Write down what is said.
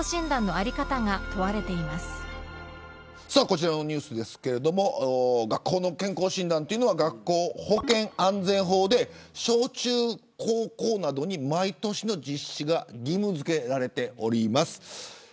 こちらのニュースですが学校の健康診断は学校保健安全法で小中高校などに毎年の実施が義務付けられています。